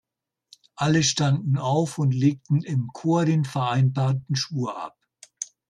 Alle standen auf und legten im Chor den vereinbarten Schwur ab.